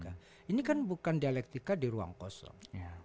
jadi itu bukan dialektika di ruang kosong